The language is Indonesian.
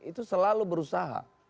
itu selalu berusaha